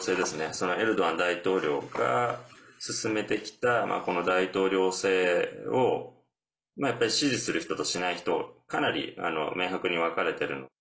そのエルドアン大統領が進めてきた、この大統領制を支持する人としない人かなり明白に分かれているので。